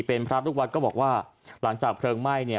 เป็นพระลูกวัดก็บอกว่าหลังจากเพลิงไหม้เนี่ย